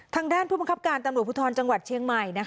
ทางด้านผู้บังคับการตำรวจภูทรจังหวัดเชียงใหม่